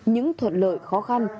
những thuận lợi khó khăn